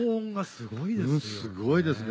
すごいですね。